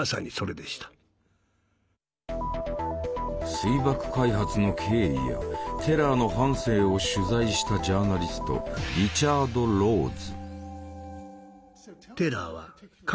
水爆開発の経緯やテラーの半生を取材したジャーナリストリチャード・ローズ。